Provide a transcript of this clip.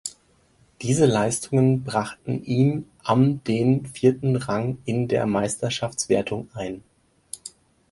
Diese Leistungen brachten ihm am den vierten Rang in der Meisterschaftswertung ein.